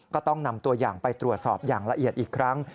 ก็ต้องนำตัวอย่างไปตรวจสอบอย่างละเอียดอีกครั้ง